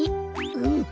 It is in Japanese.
うん。